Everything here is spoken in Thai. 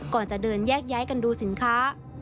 ก่อนจะเดินแยกย้ายกันดูสินค้า